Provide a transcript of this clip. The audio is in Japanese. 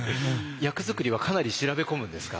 役作りはかなり調べ込むんですか？